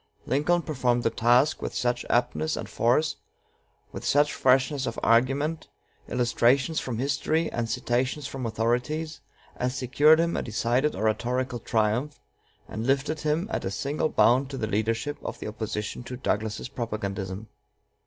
Lincoln performed the task with such aptness and force, with such freshness of argument, illustrations from history, and citations from authorities, as secured him a decided oratorical triumph, and lifted him at a single bound to the leadership of the opposition to Douglas's propagandism.